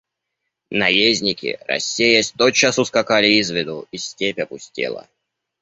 Наездники, рассеясь, тотчас ускакали из виду, и степь опустела.